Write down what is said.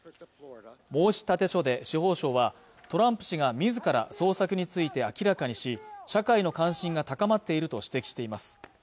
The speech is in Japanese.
申立書で司法省はトランプ氏が自ら捜索について明らかにし社会の関心が高まっていると指摘しています